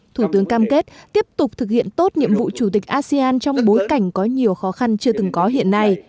thủ tướng cam kết tiếp tục thực hiện tốt nhiệm vụ chủ tịch asean trong bối cảnh có nhiều khó khăn chưa từng có hiện nay